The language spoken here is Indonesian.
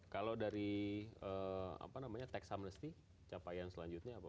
kalau dari apa namanya tech amnesty capaian selanjutnya apa pak